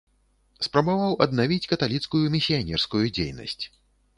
Спрабаваў аднавіць каталіцкую місіянерскую дзейнасць.